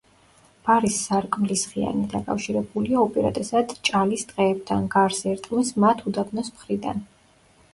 ბარის საკმლისხიანი დაკავშირებულია უპირატესად ჭალის ტყეებთან, გარს ერტყმის მათ უდაბნოს მხრიდან.